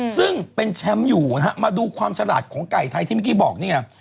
ซึ่งเป็นแชมป์อยู่นะฮะมาดูความฉลาดของไก่ไทยที่เมื่อกี้บอกนี่ไง